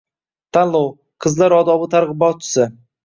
Tanlov: “Qizlar odobi targ‘ibotchisi”